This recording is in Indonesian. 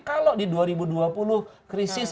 kalau di dua ribu dua puluh krisis